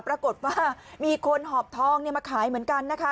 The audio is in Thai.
ปรากฏว่ามีคนหอบทองมาขายเหมือนกันนะคะ